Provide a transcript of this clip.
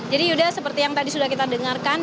jadi udah seperti yang tadi sudah kita dengarkan